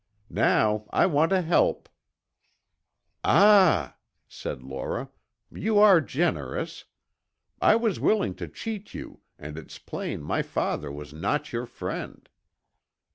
Now I want to help " "Ah," said Laura, "you are generous! I was willing to cheat you and it's plain my father was not your friend."